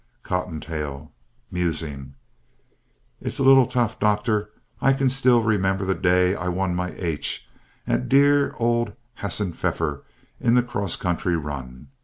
COTTONTAIL (musing) It's a little tough, doctor. I can still remember the day I won my "H" at dear old Hassenpfeffer in the 'cross country run.